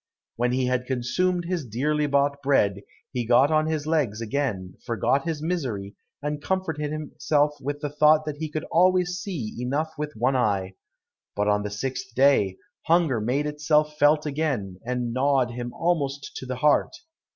When he had consumed his dearly bought bread, he got on his legs again, forgot his misery and comforted himself with the thought that he could always see enough with one eye. But on the sixth day, hunger made itself felt again, and gnawed him almost to the heart.